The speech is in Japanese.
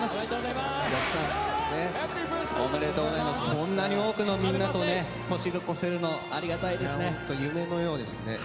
こんなに多くのみんなと年が越せるのありがたいですね。